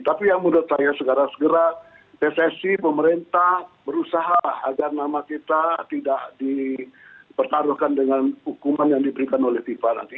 tapi yang menurut saya segera segera pssi pemerintah berusaha agar nama kita tidak dipertaruhkan dengan hukuman yang diberikan oleh fifa nanti